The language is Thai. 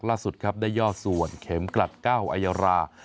ล่าสุดครับได้ย่อส่วนเข็มกลัดเก้าอัยรา